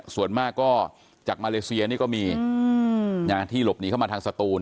ส่วนมากก็จากมาเลเซียนี่ก็มีที่หลบหนีเข้ามาทางสตูน